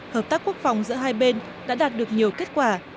hợp tác quốc phòng giữa hai bên đã đạt được nhiều kết quả